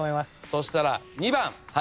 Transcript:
そしたら２番。